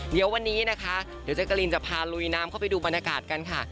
เดี๋ยววันนี้นะคะเดี๋ยวเจ๊กกะลินจะพาลุยน้ำเข้าไปดูบรรยากาศกันค่ะ